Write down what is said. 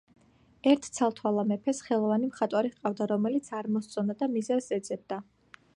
ერთ ცალთვალა მეფეს ხელოვანი მხატვარი ჰყავდა, რომელიც არ მოსწონდა და მიზეზს ეძებდა.